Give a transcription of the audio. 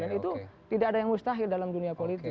dan itu tidak ada yang mustahil dalam dunia politik